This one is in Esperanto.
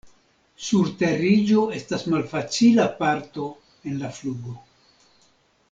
Surteriĝo estas malfacila parto en la flugo.